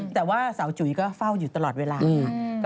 แต่ว่าสาวจุ๋ยก็เฝ้าอยู่ตลอดเวลาค่ะ